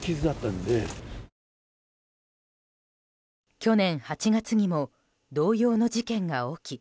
去年８月にも同様の事件が起き